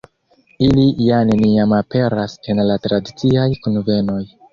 Ili ja neniam aperas en la tradiciaj kunvenoj.